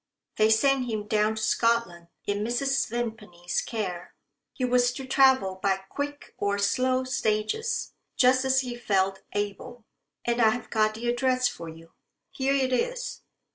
They sent him down to Scotland in Mrs. Vimpany's care. He was to travel by quick or slow stages, just as he felt able. And I've got the address for you. Here it is.